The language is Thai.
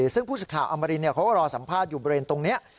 ซึ่งผู้สิทธิ์อมรินเขาก็รอสัมภาษณ์อยู่บริเวณตรงนี้